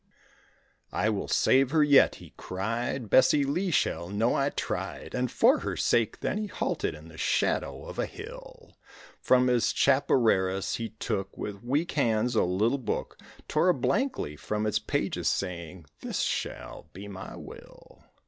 "I will save her yet," he cried, "Bessie Lee shall know I tried," And for her sake then he halted in the shadow of a hill; From his chapareras he took With weak hands a little book; Tore a blank leaf from its pages saying, "This shall be my will."